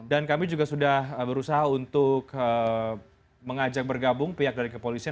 dan kami juga sudah berusaha untuk mengajak bergabung pihak dari kepolisian